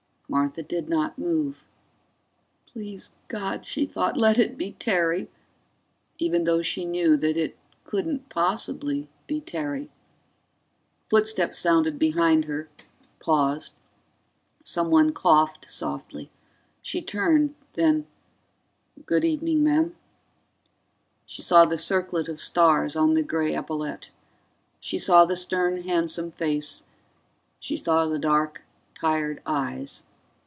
Martha did not move. Please God, she thought, let it be Terry, even though she knew that it couldn't possibly be Terry. Footsteps sounded behind her, paused. Someone coughed softly. She turned then "Good evening, ma'am." She saw the circlet of stars on the gray epaulet; she saw the stern handsome face; she saw the dark tired eyes.